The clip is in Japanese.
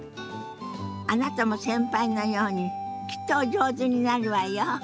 あなたも先輩のようにきっとお上手になるわよ。